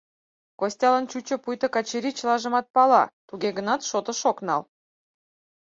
Костялан чучо, пуйто Качырий чылажымат пала, туге гынат, шотыш ок нал.